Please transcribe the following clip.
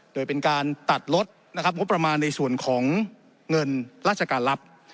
โดยตัดลดงบประมาณในส่วนของเงินราชการลับ